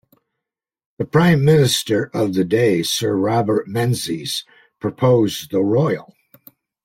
The Prime Minister of the day, Sir Robert Menzies, proposed the 'royal'.